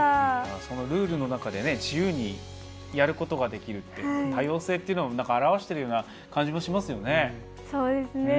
そのルールの中で自由にやることができるって多様性というのを表しているような感じもしますね。